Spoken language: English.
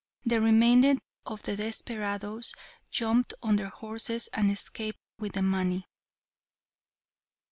The remainder of the desperadoes jumped on their horses and escaped with the money."